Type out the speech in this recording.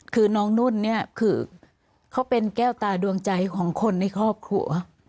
คือน้องนุ่นเนี่ยคือเขาเป็นแก้วตาดวงใจของคนในครอบครัว